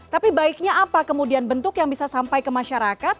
tapi baiknya apa kemudian bentuk yang bisa sampai ke masyarakat